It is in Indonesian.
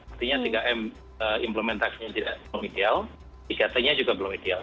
artinya tiga m implementasinya tidak ideal tiga t nya juga belum ideal